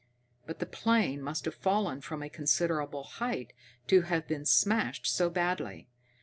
But the plane must have fallen from a considerable height to have been smashed so badly.